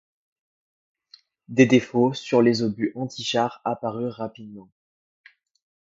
Des défauts sur les obus anti-char apparurent rapidement.